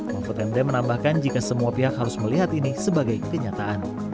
mahfud md menambahkan jika semua pihak harus melihat ini sebagai kenyataan